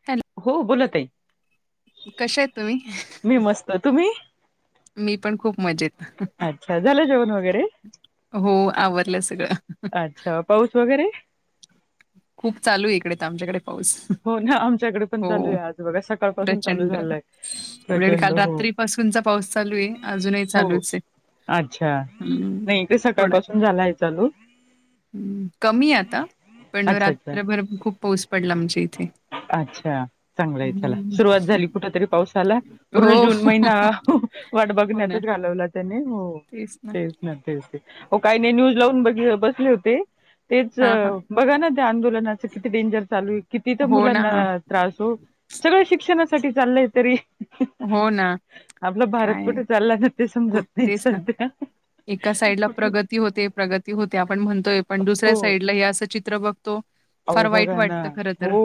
Hello हो बोला ताई कश्या आहेत मी तुम्ही मस्त तुम्ही मी पण खूप मजेत अच्छा, झालं जेवण वगैरे? हो आवरलं सगळं अच्छा, पाऊस वगैरे? खूप चालू इकडे आच्याकडे हो ना आमच्याकडे पण चालू आहे. आज बघा सकाळपासून चालू प्रचंड. झालंय प्रचंड हो सकाळपासून चा पाऊस चालू आहे. अजूनही हो चालूच आहे. अच्छा हम्म. मग ते सकाळ थोडा पाासून झालाय. चालू कमी आता पण अच्छा अच्छा. रात्रभर खूप पाऊस पडला. आमच्या इथे अच्छा चांगलाय चला हम्म. सुरुवात झाली. कुठ तरी पावसाला पूर्ण हो. जून महिना वाट हो ना बघण्यातच घालवला त्याने हो तेच ना तेच ते ओ काही नाही. न्यूज लावून बघ बसले होते. तेच हां हां. बघा ना त्या आंदोलनाच किती डेंजर चालू आहे. किती तर हो ना. मुलांना त्रास हो सगळं शिक्षणासाठी चाललंय. तरी हो ना. आपलं भारत काय कुठे चाललाय, ना ते कुठ समजत नाही. तेच ना. सध्या एका साईड ला प्रगती होते. प्रगती ती होते आपण म्हणतोय पण दुसऱ्या साईडला हे, असं चित्र बघतो. अह फार वाईट बघा ना वाटतं खरं तर. हो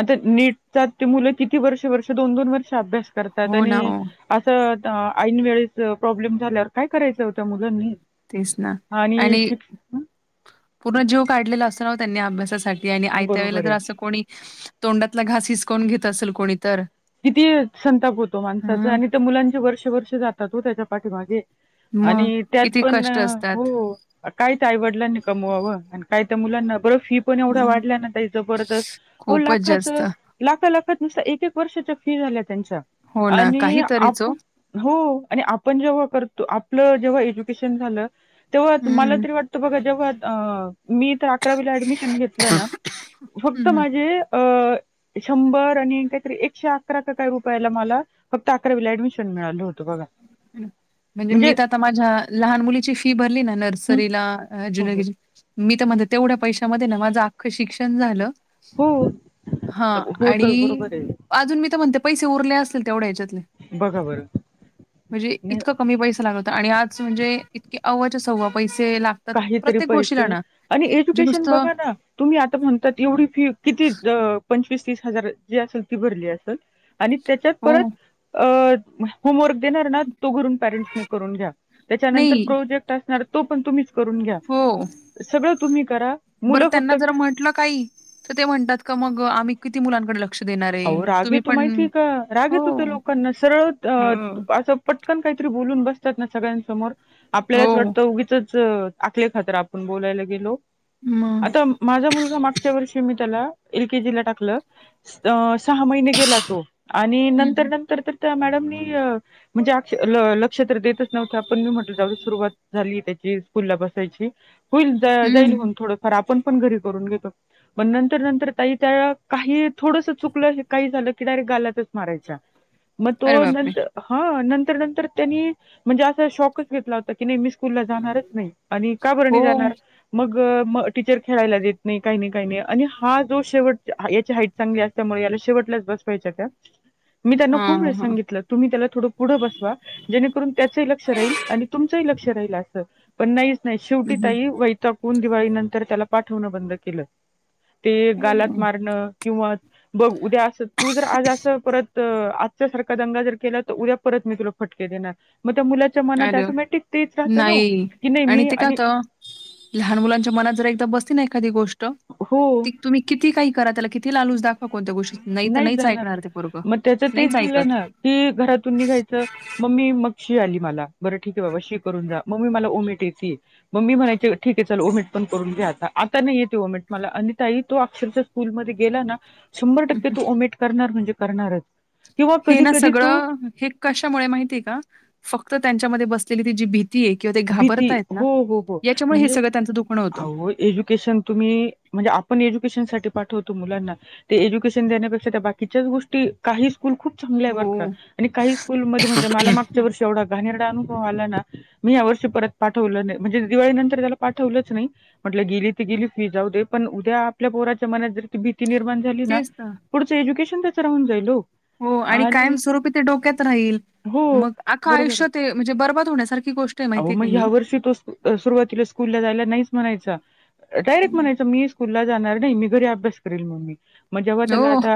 आता नीटचा ते मुलं किती वर्ष वर्ष दोन दोन वर्ष अभ्यास करतात हो आणि ना, हो. असं ऐन वेळेस प्रॉब्लेम झाल्यावर काय करायचं होतं मुलांनी. तेच ना आणि पूर्ण जीव काढलेला असतव त्यांनी अभ्यासासाठी. आणि आयत्या वेळेला बरोबर जर आहे असं कोणी तोंडातला घास हिसकवून घेत असेल कोणी तर. किती संताप होतो माणसाचा हं. आणि त्या मुलांचे वर्ष वर्ष जातात हो त्याच्या पाठीमागे. मग आणि त्यात किती पण कष्ट असतात. हो. काय तर आईवडलांनी कमवावं आणि काय तर मुलांना बरं फी. एवढ्या हं. वाढल्या जर खूपच लाखा जास्त. लाख लाात न. वर्षाच्या फी झाल्या त्यांच्या हो ना, आणि काहीतरीच ओ. आपण हो आणि आपण जेव्हा करतो आपलं जेव्हा एज्युकेशन झालं तेव्हा हं, मला हं, तरी वाट तर बघा जेव्हा मी तर अकरावीला ऍडमिशन घेतलं ना. फक्त हं. माझे अ शंभर आणि काहीतरी एक एकशे अकरा काय रुपयाला मला फक्त अकरावीला ऍडमिशन मिळालं होतं बघा. म्हणजे मी तर आता माझ्या लहान मुलीची फी भरली ना न. हं रीला हो जुन हो. मी तर म्हण तेवढ्या पैशामध्ये ना माझं अख्खं शिक्षण झालं. हो. हा हो आणि तर बरोबर आहे अजून मी तर म्हणते पैसे उरले असतील तेवढ्या ह्याच्यातले. बघा बरं. म्हणजे नाही इतकं कमी पैसा लागला होत आणि आज म्हणजे इतके अव्ज सव्व पैसे लाग काहीतरी पैसे आणि एज्युकेशन नुसतं बघा ना. तुम्ही आता म्हणताात एवढी फी किती पंचवीस तीस हजार जी असेल ती भरली असेल. आणि त्याच्यात हो. परत अ होमवर्क देणार ना. तो कररून पेरेंट्सनी करून घ्या त्याच्यानंतर नाही प्रोजेक्ट असणार तो पण तुम्ही करून घ्या हो. सगळं तुम्ही करा बरं मुलं त्यांना फक्त. जर म्हटलं काही. तर ते म्हणतात का मग आम्ही किती मुलांकडे लतो. अह रागेेतू माहिती आहे का हो. रागेतू ते लोकांना सरळ अ हो. असं. पटकन काहीतरी बोलून बसतात ना सगळ्यांसमोर आपल्यालाच हो. वाटतं उगीच. आल्या खातर आपण बोलायला गेलो. मग. आता माझा मुलगा मागच्या वर्षी मी त्याला एल केजीला टाकलं. अ सहा महिने गेला तो आणि हं, नंतर हं. नंतर तर त्या मॅडमनी. म्हणजे आ ल लक्षत्र देतच नव्हतं आपण मी म्हटल जाऊ सुरुवात झाली त्याची स्कूलला बसायची. होईल जाईल हं. म्हणून थोडंफार आपण. पण घरी करून घेतो प नंतर नंतर ताई त्या काही थोड. चुकलं काही झालं किडायरेट घालातच मारायचा मग अरे तो बापरे! नंतर. हा नंतर नंतर त्यांनी म्हणजे असा शॉकच घेतला होता. ती नेहमी स्कूल ला जाणारच का हो. नाही जाणार. मग म टीचर खेळायला देत नाही काही नाही काही नाही आणि हा जो शेवट त्या याची हाईट चांगली हाय. त्यामुळे याला शेवटलाच बसवायच्या त्या मी त्यांना खूप वेळा हां, हां. सांगितलं. तुम्ही त्याला थोडं गुढं बसवा जेणेकरून त्याचंही लक्ष राहील आणि तुमचंही लक्ष राहील असं. पण नाहीच नाही हं, शेवटी हं. ताई वैताकून दिवाळी नंतर त्याला पाठवणं बंद केलं. ते गालात हं. मारणं किंवा. बघ उद्या असं तू जर आज असं परत आजच्या सारखा दंगा जर केला तर उद्या परत मी तुला फटके देणार. मग त्या मुलाच्या मनात अरे टोमॅटिक तेच राहतं न नाही की नाही मी ते काय आणि''--'' होतं, लहान मुलांच्या मनात जर एकदा बसती ना एखादी गोष्ट. हो, तुम्ही किती काही करा त्या किती लालाूज दाख''--'' नाही जाणार तो मग त्याच नाहीच तेच झालं ऐकत. ना कि घरातून निघायचं. मम्मी मग शी आली मला बरं ठीक आहे बाबा शी करून जा मम्मी मला उमेट येते. मम्मी म्हणायचे ठीक आहे चल ओमेट पण करून घ्या आता आता नाही येते ओमिट मला आणि ताई तो अक्षरशा. स्कूलमध्ये गेला ना शंभर हं, टक्के हं. तू ओमेट करणार म्हणजे करणारच. किंवा हे कधी ना कधी तो सगळं हे कशामुळे माहितीय का फक्त त्यांच्यामध्ये बसलेली ती जी भीती. ती किंवा ते भीती घाबरताय ना हो, याच्यामुळे हे सगळं त्यांचं दुखणं होतं. होय एजुकेशन. तुम्ही म्हणजे आपण एज्युकेशन साठी पाठवतो मुलांना. ते एज्युकेशन देण्यापेक्षा त्या बाकीच्याच गोष्टी काहीच. स्कूल खूप चांगले बर का हो. काही स्कूलमध्ये म्हणजे मला मागच्या वर्षी. तेवढा घाानरड अुभव आला ना. मी या वर्षी परत पाठवलं नाही म्हणजे दिवाळी नंतर त्याला पाठवलंच नाही म्हटलं गेली तर हं, गेली फी जाऊ दे. पण उद्या आपल्या पोराच्या मनात जर ती भीती निर्माण झाली ना पुढचं एज्युकेशन त्याच राहून जाईल हो. हो आणि कायम स्वरूपी ते डोक्यात राहील हो मग आख बरोबर आहे. आयुष्या ते. म्हणजे बरबद होण्यासारी गोष्ट. आहे अहो माहिती मग आहे का ह्या ही? वर्षी तो सुरुवातीला स्कूलला जायला नाहीच म्हणायचा डायरेक्ट म्हणायचा मी. स्कूल ला जाणार नाही मी घरी अभ्यास करे मम्मी मग जेव्हा त्याला हो. आता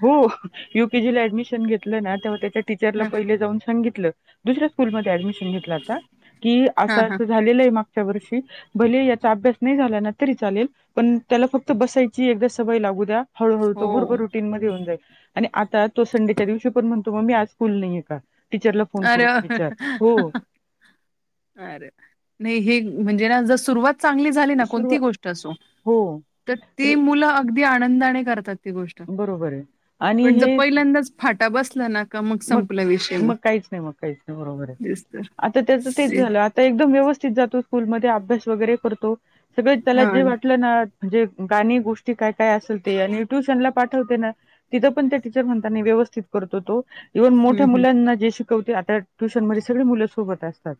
हो. युकेजी ला ऍडमिशन घेतलं ना तेव्हा त्याच्या टीचरला पहिले जाऊन सांगितलं. दुसऱ्या स्कूलमध्ये ऍडमिशन घेतलं आता की असं हां, हां. अस झालेलं आहे मागच्या वर्षी. भले याचा अभ्यास नाही झाला ना तरी चालेल पण त्याला फक्त बसायची एकदा सवय लागू द्या. हळूहळू त हो. बरोबर. तीन मध्ये होऊन जाईल आणि आता तो संडेच्या दिवशी पण म्हणतो मम्मी आज स्कूल नाहीये का. टीचरला फोन अरे करून विचार हो. अरे अरे नाही हे म्हणजे ना जर सुरुवात. चांगली झाली ना सुरुवात कोणती गोष्ट असो हो तर ते मुलं अगदी आनंदाने करतात. त गोष्ट बरोबर आहे आणि पण जर हे पहिल्यांदाच फाटा बसला ना. का मग संपला विषय मग काहीच नाही मग काहीच नाही बरोबर आहे तेच तर. आता त्याचं तेच ते झालं आता. तर एकदम व्यवस्थित जातो स्कूलमध्ये अभ्यास वगैरे करतो सगळे त्याला हां. जे वाटलं ना. म्हणजे गाणी गोष्टी काय काय असेल ते आणि ट्युशनला. पाठवते ना तिथ पण ते टीचर म्हणता व्यवस्थित करतो तो इव्हन मोठ्या हं, हं. मुलांना जे शिकवते, आता ट्यूशनमध्ये सगळे मुलं सोबत असतात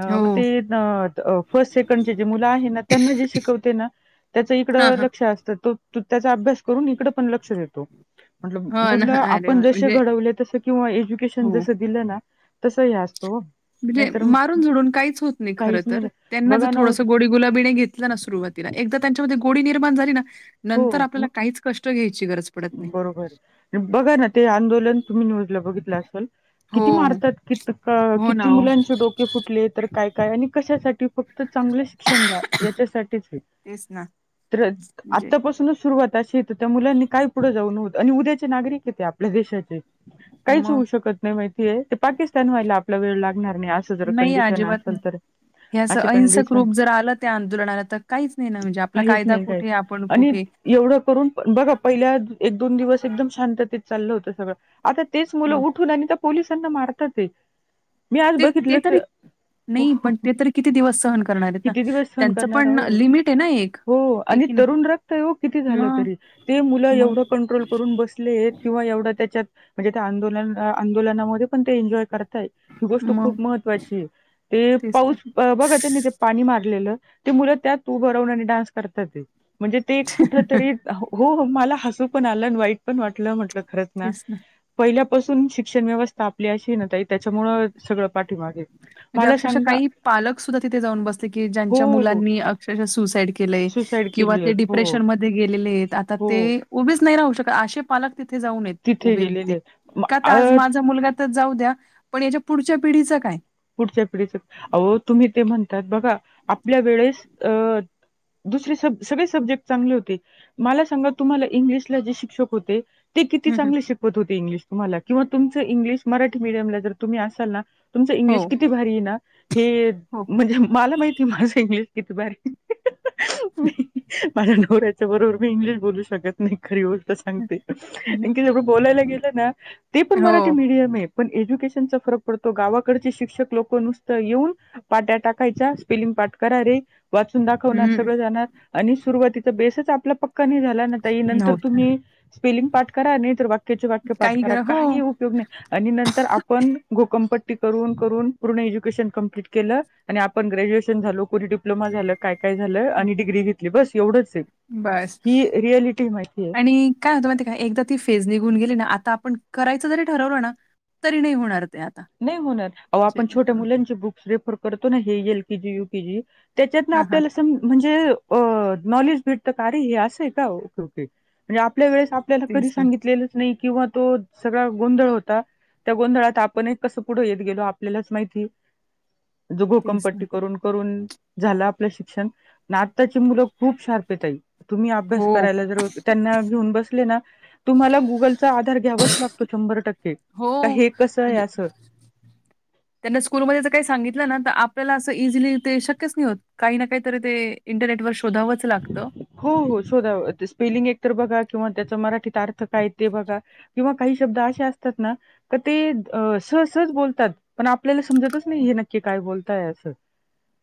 अ मग हो. ते अह फर्स्ट सेकंडचे जे मुलं आहे ना त्यांना जे शिकवते ना त्याचं हां, इकडं हां. लक्ष असतं तो त त्याचा अभ्यास करून इकड पण लक्ष देतो म्हणलं हां ना. मुलं अरे आपण वाह! जसे म्हणजे घडवले तसे किंवा एज्युकेशन हो. जसं दिलं ना तसं हे असतं हो म्हणजे नाहीतर मारून झोडून काहीच होत नाही खर काहीच तर त्यांना जर बघा ना थोडस गोडी गुलाबीने घेत ल ना सुरुवातीला एकदा त्यांच्यामध्ये गोडी निर्माण झाली ना हो नंतर आपल्याला मग काहीच कष्ट घ्यायची गरज पडत नाही. बरोबर. बघा ना ते आंदोलन तुम्ही न्यूजला बघितलं असेल हो किती मारतात कित अह हो ना किती हो मुलांचे डोक ते फुटले तर काय काय आणि कशासाठी फक्त चांगलं शिक्षण द्या. याच्यासाठीच आहे, तेच ना त्र म्हणजे पासूनच सुरुवात अशी आहे तर त्या मुलांनी काय पुढे जाऊन होत आणि उद्याचे नागरिक आहेत ते आपल्या देशाचे काहीच मग होऊ शकत नाही माहितीय ते पाकिस्तान व्हायला आपला वेळ लागणार नाही असं जर नाही कंडिशन अजिबात नाही. आहे [inaudible] हे असं अहिंसक रूप जर आलं त्या आंदोलनाला तर काहीच नाही ना म्हणजे आपला काहीच कायदा नाही काहीच कुठे आपण आणि कुठे एवढं करून बघा पहिल्या एक दोन दिवस एकदम शांततेत चाललं होतं सगळं आता तेच मुलं हो. उठून आणि त्या पोलिसांना मारतात आहे, मी आज ते ते बघितलं तर तरी हो नाही पण ते तरी किती दिवस सहन करणार आहेत ना किती दिवस सहन त्यांचं करणार पण आहो, लिमिट आहे ना एक हो आहे आणि की नाही तरुण रक्त आहे किती झाल मग तरी ते मुल एवढं मग कंट्रोल करून बस ले किंवा एवढ त्याच्यात म्हणजे आंदोल आंदोलनामध्ये पण ते एन्जॉय करताहेत. ही गोष्ट मग खूप महत्त्वाची आहे, ते तेच तर पाऊस अह बघा त्यांनी ते पाणी मारलेलं, ते मुलं त्यात उभ राहून आणि डान्स करतात आहेत. म्हणजे ते कुठ तरी, हो हो, मला हसू पण आलं आणि वाईट पण वाटलं, म्हटलं खरच ना पहिल्यापासून शिक्षण व्यवस्था आपली अशी आहे ना ताई, त्याच्यामुळं सगळं पाठीमागे म्हणजे मला अक्षरशः सांगा काही पालक सुद्धा तिथे जाऊन बसले, की हो, ज्यांच्या हो. मुलांनी अक्षरशः सुसाईड केलंय. सुसाईड किंवा केली ते आहेत. हो, डिप्रेशन मध्ये गेलेले आहेत, आता हो. ते, उभेच नाही राहू शकत, असे पालक तिथे जाऊन आहेत तिथे उभे आहेत गेलेले ते, म का तर आज अ माझा मुलगा तर जाऊ द्या, पण याच्या पुढच्या पिढीच काय? पुढच्या पिढीच आहो तुम्ही ते म्हण त्यात बघा, आपल्या वेळेस अ दुसरे सब, सगळे सब्जेक्ट चांगले होते मला सांगा तुम्हाला इंग्लिशला जे शिक्षक होते, ते किती हं, हं. चांगले शिकवत होते इंग्लिश तुम्हाला किंवा तुमचं इंग्लिश मराठी मिडियमला जर तुम्ही असाल ना तुमचं हो, इंग्लिश किती भारी आहे ना, हे हो. म्हणजे मला माहिती आहे, माझं इंग्लिश किती भारी आहे ते. माझ्या नवऱ्याच्या बरोबर मी इंग्लिश बोलू शकत नाही, खरी बोल सांगते, नाही. कारण की जेवढं बोलायला गेलं ना ते पण मराठी हो. मीडियम आहेत. पण एज्युकेशनचा फरक पडतो गावाकडचे शिक्षक लोक नुसत येऊन, पाट्या टाकायच्या, स्पेलिंग पाठ करा रे वाचून दाखवणार, हं. सगळं जाणार, आणि सुरुवातीचा बेसच आपल्या पक्का नाही झाला ना ताई नंतर नव्हता. तुम्ही स्पेलिंग पाठ करा, नाही तर वाक्याचे वाक्य पाठ काही करा, हो. काही उपयोग नाही. आणि नंतर आपण, घोकमपट्टी करून करून पूर्ण एज्युकेशन कंप्लीट केलं, आणि आपण ग्रॅज्युएशन झालो पुढे डिप्लोमा झालं, काय काय झालं, आणि डिग्री घेतली, बस एवढंच आहे. बस ही रियालिटी माहिती आहे. आणि काय होतं माहितीय का एकदा ती फेज निघून गेली ना, आता आपण करायचं जरी ठरवलं ना तरी नाही होणार ते आता. नाही होणार. अवो म्हणजे आपण छोट्या हां. मुलांचे बुक्स रेफर करतो ना, हे एल केजी यू केजी त्याच्यात ना हां, हां. आपल्याला त म्हणजे अ नॉलेज भेटत का अरे हे असंय का? ओके ओके म्हणजे आपल्या वेळेस आपल्याला कधी तेच ना, सांगितलेलंच नाही किंवा तो सगळा गोंधळ होता त्या गोंधळात आपण ही कस पुढे येत गेलो आपल्यालाच माहिती ज तेच ना. भोकमपट्टी करून करून झालं आपलं शिक्षण न आताची मुलं खूप शार्पये ताई तुम्ही अभ्यास हो. करायला जर त्यांना घेऊन बसले ना तुम्हाला गुगलचा आधार घ्यावाच लागतो शंभर टक्के. हो का हे कसं आहे म्हणजे असं त्यांना स्कूलमध्येच काही ज सांगितलं ना, तर आपल्याला असं इझिली ते शक्यच नाही होत. काही ना काहीतरी ते इंटरनेट वर शोधावंच लागतं. हो हो शोधाव ते स्पेलिंग एक तर बघा किंवा त्याचा मराठीत अर्थ काय ते बघा. किंवा काही शब्द असे असतात ना, तर ते सह सहज बोलतात. पण आपल्याला समजतच नाही, हे नक्की काय बोलताय असं.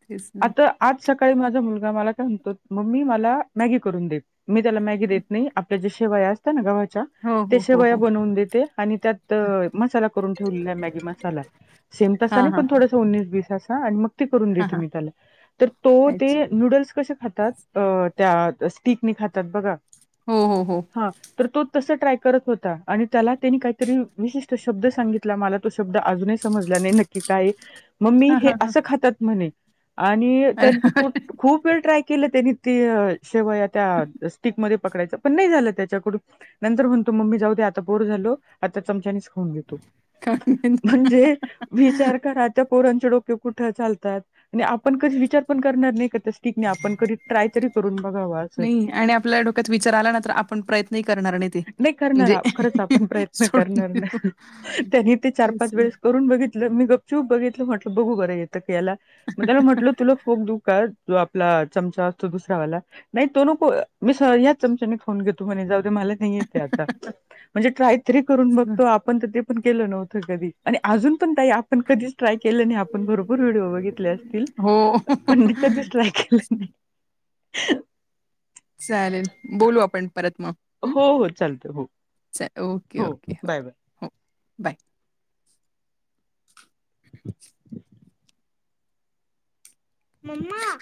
तेच ना. आता, आज सकाळी माझा मुलगा मला काय म्हणतो, मम्मी मला मॅगी करून दे मी त्याला मॅगी हं. देत नाही, आपल्या ज्या शेवाया असत ना गव्हाच्या हो, ते हो, हो, शेवया हो. बनवून देते आणि त्यात मसाला करून ठेवलेला आहे मॅगी मसाला. सेम तसा हां, नाही, हां, पण हां. थोडसं उन्नीस बीस असा आणि मग ते करून हां, देते हां. मी त्याला तर तो ते अच्छा. नूडल्स कसे खातात अ त्या स्टिकनी खातात बघा हो, हो, हो. हा तो तस ट्राय करत होता, आणि त्याला त्यांनी काही तरी विशिष्ट शब्द सांगितला सांगितला मला तो शब्द अजूनही समजला नाही नक्की काय मम्मी हां, हे हां, हां. असं खातात म्हणे आणि अरे त्यानी ते तुट बापरे! खूप वेळ ट्राय केलं त्यानी ते शेवया त्या स्टिकमध्ये पकडायचं पण नाही झालं त्याच्याकडून नंतर म्हण तो मम्मी जाऊ दे आता बोर झालो आता चमच्यानेच खाऊ खाऊन घेतो. म्हणजे विचार करा त्या पोरांचे डोके कुठ चालतात आणि आपण कधी विचार पण करणार नाही का तसे ठीक नाही आपण कधी ट्राय तरी करून बघाव असं नाही आणि आपल्याला डोक्यात विचार आला ना तर आपण प्रयत्नही करणार नाहीत. नाही करणार खरच आपण प्रयत्न सोडून करणार देऊ. ना त्यांनी ते चार तेच पाच ना. वेळेस करून बघित मी गपचूप बघितलं म्हटलं बघू बरं येतं की याला मग त्याला म्हटलं तुला फोक देऊ का? जो आपला चमचा असतो दुसरावाला. नाही तो नको मी सहज याच चमचाने खाऊन घेतो म्हणे जाऊ दे मला - - नाही येतय अता म्हणजे ट्राय तरी करून तेच ना. बघतो आप आपण ते पण केलं नव्हतं कधी आणि अजून पण ताई आपण कधीच ट्राय केलं नाही आपण भरपूर व्हिडिओ बघितले असतील हो. पण कधीच ट्राय केलं नाही ह चालेल बोलू आपण परत मग हो हो चालतं हो. च ओके ओके हो बाय बाय. हो बाय. मम्मा-